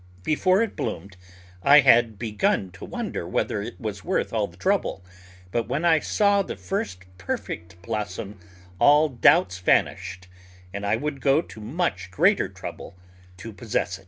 Before it bloomed I had begun to wonder whether it was worth all the trouble, but when I saw the first perfect blossom all doubts vanished and I would go to much greater trouble to possess it.